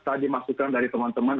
tadi masukan dari teman teman